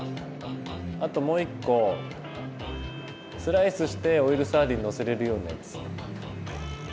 あともう一個スライスしてオイルサーディンのせれるようなやつ。